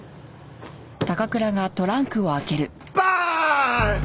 バーン！